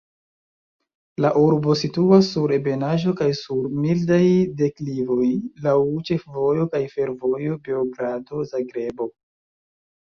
La urbo situas sur ebenaĵo kaj sur mildaj deklivoj, laŭ ĉefvojo kaj fervojo Beogrado-Zagrebo.